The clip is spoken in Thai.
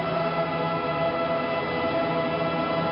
โปรดติดตามตอนต่อไป